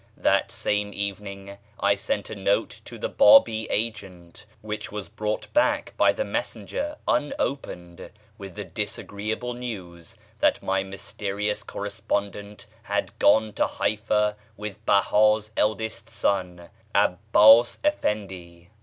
That same evening I sent a note to the Bábí agent, which was brought back by the messenger unopened, with the disagreeable news that my mysterious correspondent had gone to Haifá with Behá's eldest son 'Abbás Efendí.